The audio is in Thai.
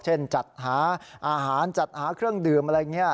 จัดหาอาหารจัดหาเครื่องดื่มอะไรอย่างนี้